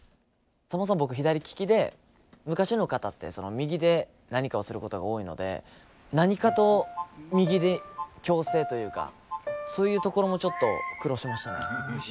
そもそも僕左利きで昔の方って右で何かをすることが多いので何かと右に矯正というかそういうところもちょっと苦労しましたね。